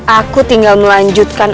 aku tinggal melanjutkan